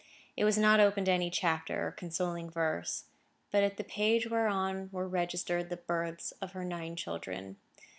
It was not open at any chapter or consoling verse; but at the page whereon were registered the births of her nine children.